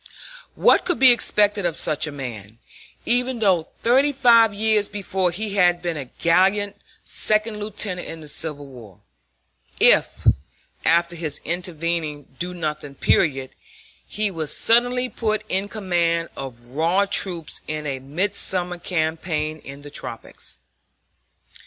What could be expected of such a man, even though thirty five years before he had been a gallant second lieutenant in the Civil War, if, after this intervening do nothing period, he was suddenly put in command of raw troops in a midsummer campaign in the tropics?